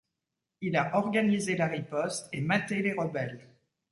Il a organisé la riposte et maté les rebelles.